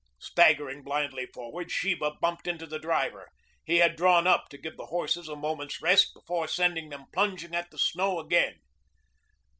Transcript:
Staggering blindly forward, Sheba bumped into the driver. He had drawn up to give the horses a moment's rest before sending them plunging at the snow again.